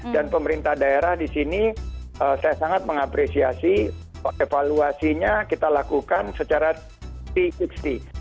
dan pemerintah daerah disini saya sangat mengapresiasi lollar off sekian ke atas quite disebelin secara holistik kita terapkan potential chse tersebut